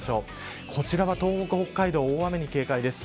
こちらは東北、北海道大雨に警戒です。